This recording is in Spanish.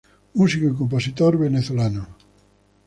Músico y compositor Venezolano.